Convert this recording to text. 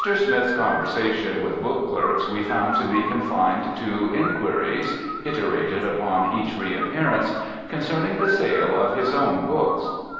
Smith's conversation with book clerks we found to be confined to inquiries (iterated upon each reappearance) concerning the sale of his own books.